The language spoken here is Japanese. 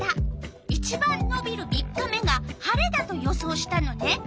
いちばんのびる３日目が晴れだと予想したのね。